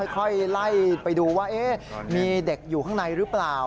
ค่อยไล่ไปดูว่ามีเด็กอยู่ข้างในหรือเปล่า